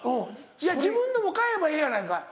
いや自分のも買えばええやないか。